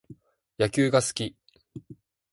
野球が好き